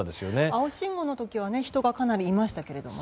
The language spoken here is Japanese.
青信号の時は人がかなりいましたけどね。